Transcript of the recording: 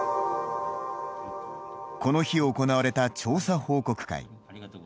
この日、行われた調査報告会。